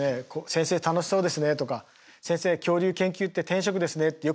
「先生楽しそうですね」とか「先生恐竜研究って天職ですね」ってよく言われます。